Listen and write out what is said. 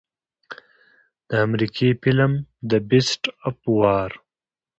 د امريکني فلم The Beast of War